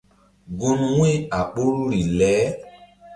Gun wu̧y a ɓoruri le.